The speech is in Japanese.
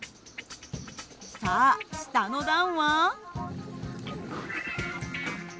さあ下の段は？